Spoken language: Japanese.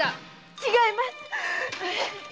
違います！